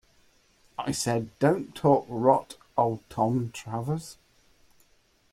I said, 'Don't talk rot, old Tom Travers.'